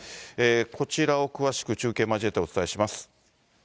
こちらを詳しく中継を交えてお伝えします。